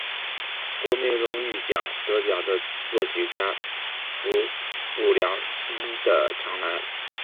国民荣誉奖得奖的作曲家服部良一的长男。